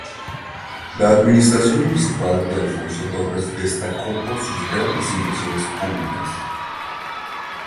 La administración municipal de Alfonso Torres destacó por sus grandes inversiones públicas.